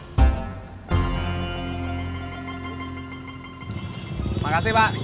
terima kasih pak